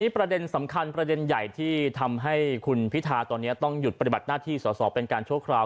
ประเด็นสำคัญประเด็นใหญ่ที่ทำให้คุณพิธาตอนนี้ต้องหยุดปฏิบัติหน้าที่สอสอเป็นการชั่วคราว